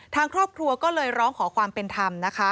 ทางครอบครัวก็เลยร้องขอความเป็นธรรมนะคะ